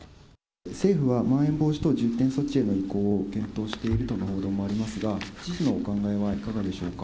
政府はまん延防止等重点措置への移行を検討しているとの報道もありますが、知事のお考えはいかがでしょうか。